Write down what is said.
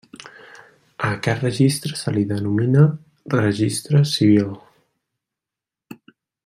A aquest registre se li denomina Registre Civil.